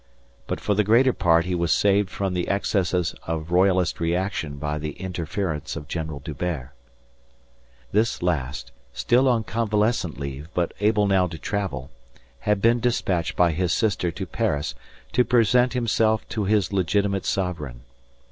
But for the greater part he was saved from the excesses of royalist reaction by the interference of General D'Hubert. This last, still on convalescent leave but able now to travel, had been despatched by his sister to Paris to present himself to his legitimate sovereign.